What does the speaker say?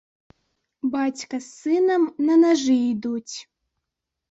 Бацька з сынам на нажы ідуць.